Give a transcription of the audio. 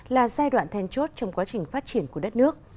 là giai đoạn then chốt trong quá trình phát triển của đất nước